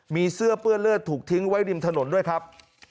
มีเสื้อเปื้อนเลือดถูกทิ้งไว้ริมถนนด้วยครับ